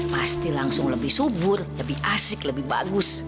pasti langsung lebih subur lebih asik lebih bagus